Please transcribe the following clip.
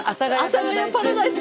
阿佐ヶ谷パラダイス。